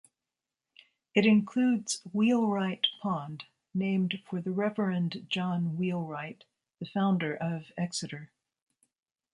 It includes Wheelwright Pond, named for the Reverend John Wheelwright, the founder of Exeter.